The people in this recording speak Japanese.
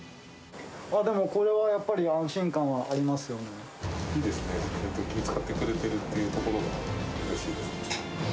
でも、これはやっぱり安心感いいですね、気を遣ってくれてるっていうところがうれしいですね。